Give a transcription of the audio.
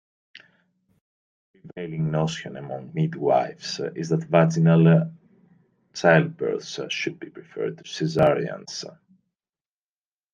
The prevailing notion among midwifes is that vaginal childbirths should be preferred to cesareans.